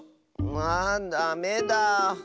ああダメだ。